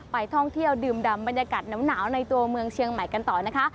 ไปท่องเที่ยวดื่มดำบรรยากาศหนาวในตัวเมืองเชียงใหม่กันต่อนะคะ